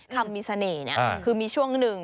คำมีเสน่ห์เนี่ยคือมีช่วงหนึ่ง